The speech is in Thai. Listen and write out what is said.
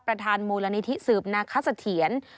ประธานมูลนิธิสืบนาคสะเทียน